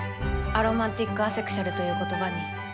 アロマンティック・アセクシュアルという言葉に。